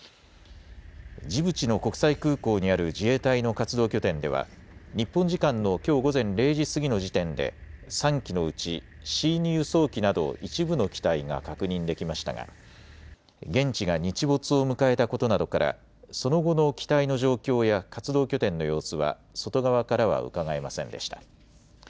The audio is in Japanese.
ジブチの国際空港にある自衛隊の活動拠点では日本時間のきょう午前０時過ぎの時点で３機のうちＣ２輸送機など一部の機体が確認できましたが現地が日没を迎えたことなどからその後の機体の状況や活動拠点の様子は外側からはうかがえませんでした。